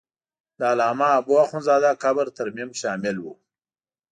د علامه حبو اخند زاده قبر ترمیم شامل و.